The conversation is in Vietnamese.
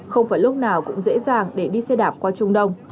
không phải lúc nào cũng dễ dàng để đi xe đạp qua trung đông